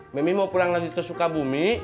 mami mau pulang lagi ke sukabumi